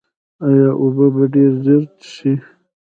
ایا اوبه به ډیرې څښئ؟